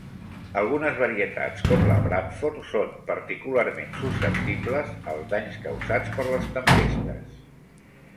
Algunes varietats, com la Bradford, són particularment susceptibles als danys causats per les tempestes.